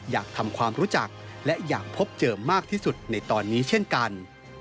อยากทำความรู้จักและอยากพบเจอมากที่สุดในตอนนี้เช่นกัน